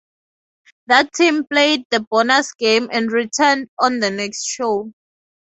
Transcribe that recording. That team played the bonus game and returned on the next show.